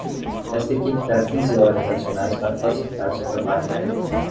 Esta equipe terá quinze horas adicionais para facilitar seu trabalho.